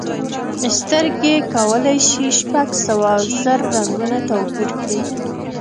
سترګې کولی شي شپږ سوه زره رنګونه توپیر کړي.